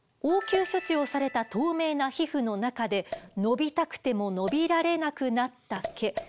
応急処置をされた透明な皮膚の中で伸びたくても伸びられなくなった毛